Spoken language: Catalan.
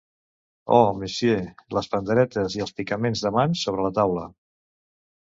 Oh, monsieur, les panderetes i els picaments de mans sobre la taula!